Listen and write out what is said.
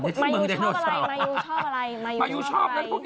มายูชอบอะไรมาโยชอบในพวกนี้